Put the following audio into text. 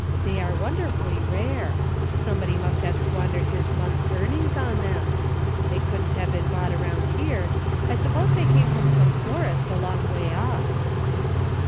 They are wonderfully rare. Somebody must have squandered his month's earnings on them. They couldn't have been bought around here. I suppose they came from some florist a long way off."